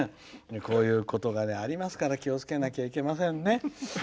こういうことがありますから気をつけなきゃいけませんね。